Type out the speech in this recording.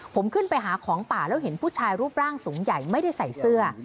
ผมขึ้นไปหาของป่าแล้วเห็นผู้ชายรูปร่างสูงใหญ่ไม่ได้ใส่เสื้อ